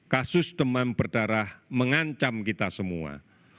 kasus demam berdarah mengancam kita semua